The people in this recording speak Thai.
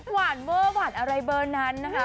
หวานเวอร์หวานอะไรเบอร์นั้นนะคะ